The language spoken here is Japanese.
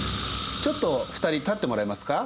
ちょっと２人立ってもらえますか？